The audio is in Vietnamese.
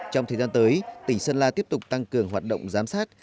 trong thời gian tới tỉnh sơn la tiếp tục tăng cường hoạt động giám sát